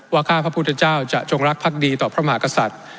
ว่าข้าพระพุทธเจ้าจะโจรักษ์พักดีต่อพระมหากศัตว์